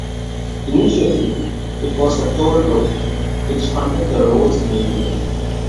Initially it was a toll road, which funded the road's maintenance.